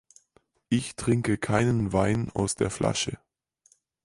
Ich trinke keinen Wein aus der Flasche.